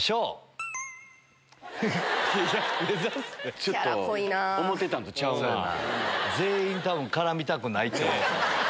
ちょっと思ってたんとちゃうな。